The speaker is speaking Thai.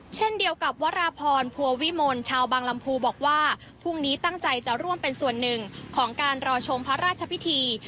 เช่นเดียวกับวราพรพัววิมลชาวบางลำพูบอกว่าพรุ่งนี้ตั้งใจจะร่วมเป็นส่วนหนึ่งของการรอชมพระราชพิธี